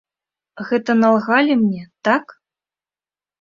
Гэта налгалі мне, так?